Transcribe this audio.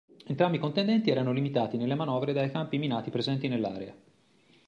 Entrambi i contendenti erano limitati nelle manovre dai campi minati presenti nell'area.